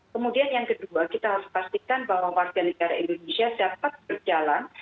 kemudian yang kedua kita harus pastikan bahwa warga negara indonesia dapat berjalan